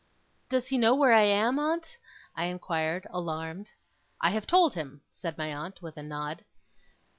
'Does he know where I am, aunt?' I inquired, alarmed. 'I have told him,' said my aunt, with a nod.